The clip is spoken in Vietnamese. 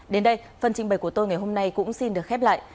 đến đây phần trình bày của tôi ngày hôm nay cũng xin được khép lại